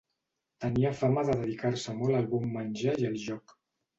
Tenia fama de dedicar-se molt al bon menjar i al joc.